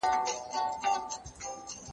ايا تاسي په دې برخه کي تجربه لرئ؟